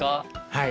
はい。